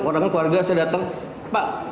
orang keluarga saya datang pak